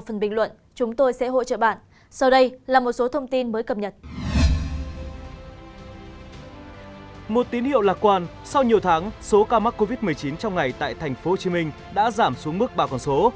ví dụ lạc quan sau nhiều tháng số ca mắc covid một mươi chín trong ngày tại tp hcm đã giảm xuống mức ba con số